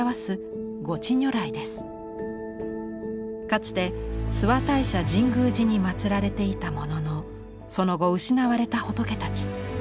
かつて諏訪大社神宮寺に祀られていたもののその後失われた仏たち。